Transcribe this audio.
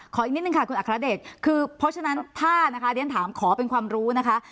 อีกนิดนึงค่ะคุณอัครเดชคือเพราะฉะนั้นถ้านะคะเรียนถามขอเป็นความรู้นะคะ